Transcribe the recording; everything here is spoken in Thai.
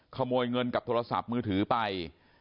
ขโมยเงินกับโทรศัพท์มือถือไป